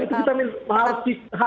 itu kita harus dong